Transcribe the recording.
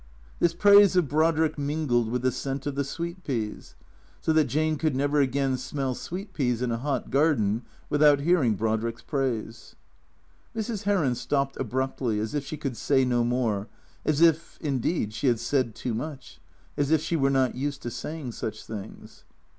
This praise of Brodrick mingled with the scent of the sweet peas, so that Jane could never again smell sweet peas in a hot garden without hearing Brodrick's praise. Mrs. Heron stopped abruptly, as if she could say no more, as if, indeed, she had said too much, as if she were not used to saying such things.